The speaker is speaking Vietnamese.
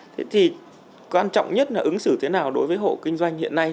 thế thì quan trọng nhất là ứng xử thế nào đối với hộ kinh doanh hiện nay